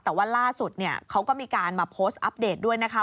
แต่ว่าล่าสุดเนี่ยเขาก็มีการมาโพสต์อัปเดตด้วยนะคะ